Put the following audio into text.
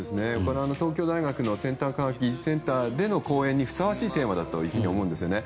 東京大学の先端科学技術センターの講演にふさわしいテーマだと思うんですね。